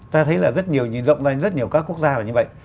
ta thấy là rất nhiều nhìn rộng ra rất nhiều các quốc gia và như vậy